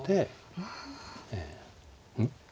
うん？